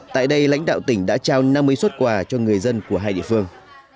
tại đây lãnh đạo tỉnh đã trao năm mươi xuất quà cho người dân của hai địa phương